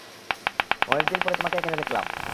অনেকদিন পরে তোমাকে এখানে দেখলাম।